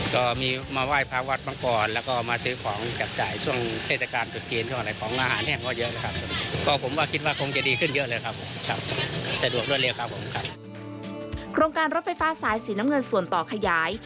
โครงการรถไฟฟ้าสายสีน้ำเงินส่วนต่อขยาย